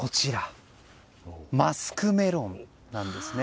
マスクメロンなんですね。